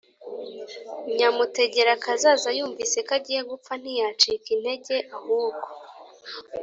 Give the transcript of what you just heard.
nyamutegerakazaza yumvise ko agiye gupfa ntiyacika intege, ahubwo